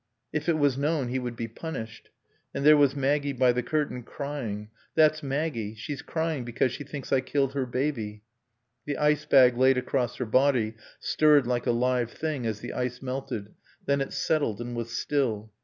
If it was known he would be punished." And there was Maggie by the curtain, crying. "That's Maggie. She's crying because she thinks I killed her baby." The ice bag laid across her body stirred like a live thing as the ice melted, then it settled and was still.